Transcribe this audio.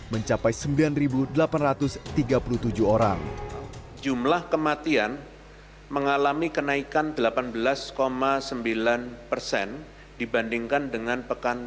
dua ribu dua puluh mencapai sembilan ribu delapan ratus tiga puluh tujuh orang jumlah kematian mengalami kenaikan delapan belas sembilan persen dibandingkan dengan pekan